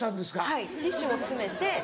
はいティッシュも詰めて。